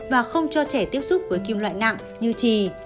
và không cho trẻ tiếp xúc với kim loại nặng như trì